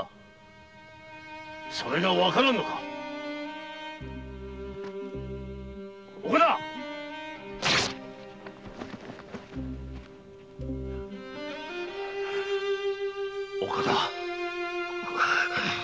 それが分からぬのか岡田岡田。